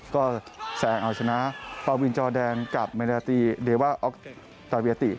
ก็แซงเอาชนะปาวินจอแดนกับเมนาตีเดว่าออกตาเวียติ